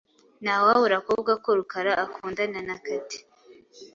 Ntawabura kuvuga ko Rukara akundana na Kathy.